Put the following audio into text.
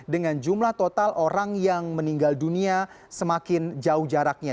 dengan jumlah total orang yang meninggal dunia semakin jauh jaraknya